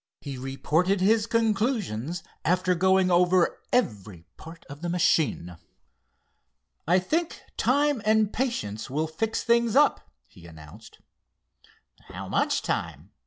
He reported his conclusions after going over every part of the machine. "I think time and patience will fix things up," he announced. "How much time?"